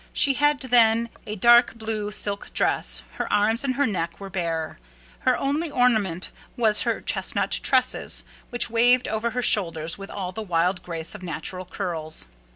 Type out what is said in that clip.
She had then on a dark blue silk dress; her arms and her neck were bare; her only ornament was her chestnut tresses, which waved over her shoulders with all the wild grace of natural curls.